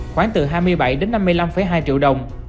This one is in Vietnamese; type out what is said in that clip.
khoảng từ hai mươi bảy đến năm mươi năm hai triệu đồng